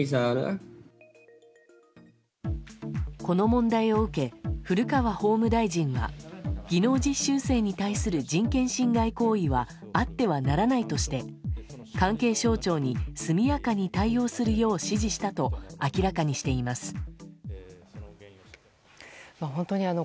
この問題を受け古川法務大臣は技能実習生に対する人権侵害行為はあってはならないとして関係省庁に速やかに対応するよう指示したと明らかにしています。